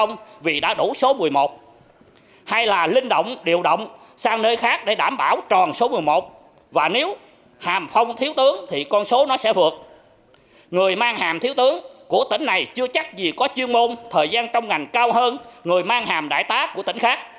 người mang hàm thiếu tướng của tỉnh này chưa chắc gì có chuyên môn thời gian trong ngành cao hơn người mang hàm đại tá của tỉnh khác